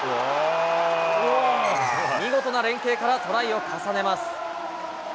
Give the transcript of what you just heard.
見事な連係からトライを重ねます。